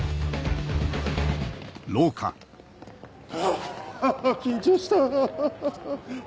あ緊張した！